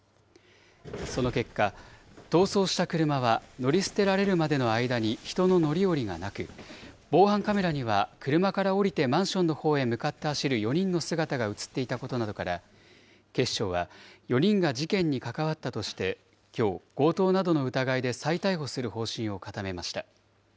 その結果、逃走した車は、乗り捨てられるまでの間に人の乗り降りがなく、防犯カメラには車から降りてマンションのほうへ向かって走る４人の姿が写っていたことなどから、警視庁は、４人が事件に関わったとして、きょう、強盗などの疑いで再逮捕する方針を固めました。